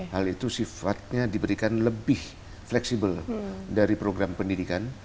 hal itu sifatnya diberikan lebih fleksibel dari program pendidikan